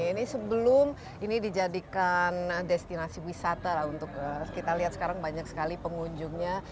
ini sebelum ini dijadikan destinasi wisata lah untuk kita lihat sekarang banyak sekali pengunjungnya